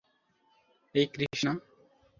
এই, কৃষ্ণা!